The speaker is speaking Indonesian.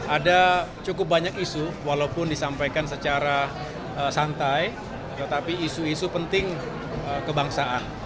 ada cukup banyak isu walaupun disampaikan secara santai tetapi isu isu penting kebangsaan